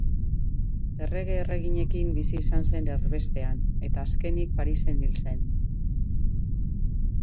Errege-erreginekin bizi izan zen erbestean, eta azkenik Parisen hil zen.